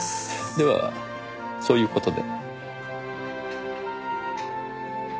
ではそういう事で。